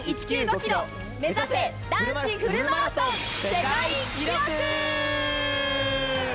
キロ、目指せ男子フルマラソン世界記録！